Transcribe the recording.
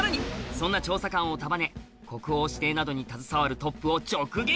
そんな調査官を束ね国宝指定などに携わるトップを直撃！